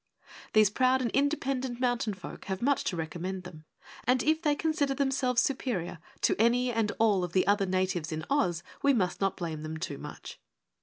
These proud and independent mountain folk have much to recommend them, and if they consider themselves superior to any and all of the other natives in Oz, we must not blame them too much.